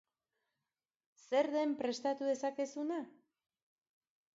Zer den prestatu dezakezuna?